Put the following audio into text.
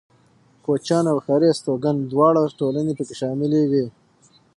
کوچيان او ښاري استوگن دواړه ټولنې پکې شاملې وې.